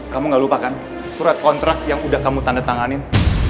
kamu nggak lupa kan surat kontrak yang udah kamu tandatanganin